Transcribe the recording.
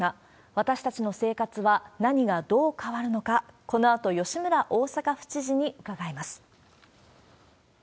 私たちの生活は、何がどう変わるのか、このあと、吉村大阪府知事に伺います。